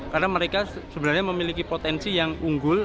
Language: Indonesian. karena mereka sebenarnya memiliki potensi yang unggul